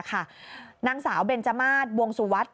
นางสาวเบนจมาสวงสุวัสดิ